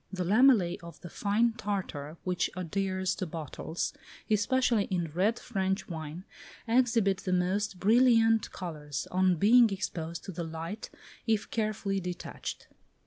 The lamellæ of the fine tartar which adheres to bottles, especially in red French wine, exhibit the most brilliant colours, on being exposed to the light, if carefully detached.